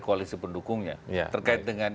koalisi pendukungnya terkait dengan